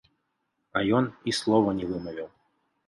А ён і слова не вымавіў.